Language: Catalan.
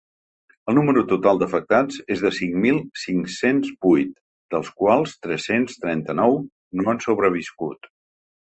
El número total d’afectats és de cinc mil cinc-cents vuit, dels quals tres-cents trenta-nou no han sobreviscut.